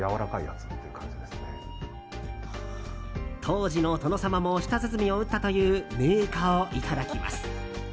当時の殿様も舌鼓を打ったという銘菓をいただきます。